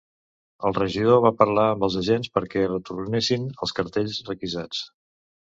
El regidor va parlar amb els agents perquè retornessin els cartells requisats.